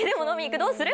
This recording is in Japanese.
どうする？